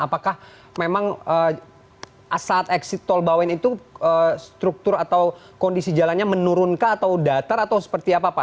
apakah memang saat eksit tol bawen itu struktur atau kondisi jalannya menurunkah atau datar atau seperti apa pak